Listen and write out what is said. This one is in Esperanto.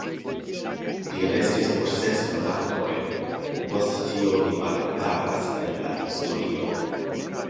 Li restis nur ses monatojn; post tio li malaperas el la historio.